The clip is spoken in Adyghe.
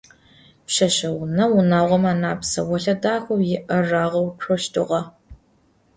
Пшъэшъэунэм унагъом анахь псэолъэ дахэу иӏэр рагъэуцощтыгъэ.